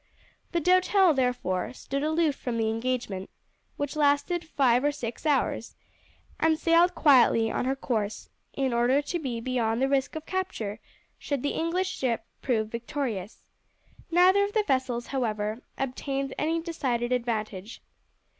The Doutelle, therefore, stood aloof from the engagement, which lasted for five or six hours, and sailed quietly on her course, in order to be beyond the risk of capture should the English ship prove victorious; neither of the vessels, however, obtained any decided advantage.